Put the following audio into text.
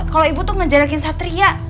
kalo ibu tuh ngejarakin satria